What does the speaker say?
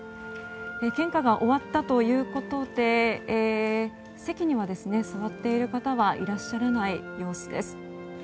献花が終わったということで席には座っている方はいらっしゃらない様子です。